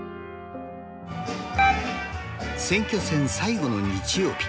選挙戦最後の日曜日。